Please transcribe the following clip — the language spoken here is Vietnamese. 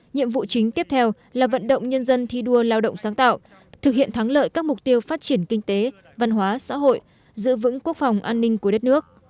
nhiệm vụ chính tiếp theo là vận động nhân dân thi đua lao động sáng tạo thực hiện thắng lợi các mục tiêu phát triển kinh tế văn hóa xã hội giữ vững quốc phòng an ninh của đất nước